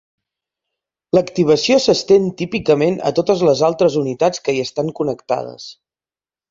L'activació s'estén típicament a totes les altres unitats que hi estan connectades.